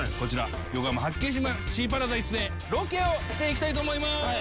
横浜八景島シーパラダイスでロケをしていきたいと思います。